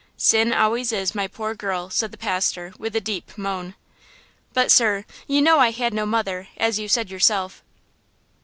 "Sin always is, my poor girl," said the pastor, with a deep moan. "But, sir, you know I had no mother, as you said yourself."